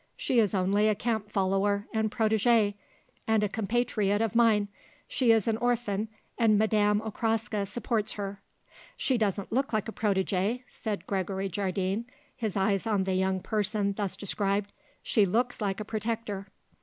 She is only a camp follower and protégée; and a compatriot of mine. She is an orphan and Madame Okraska supports her." "She doesn't look like a protégée," said Gregory Jardine, his eyes on the young person thus described; "she looks like a protector."